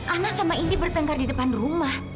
ana sama idi bertengkar di depan rumah